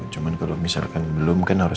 cuman kalau misalkan belum kan orang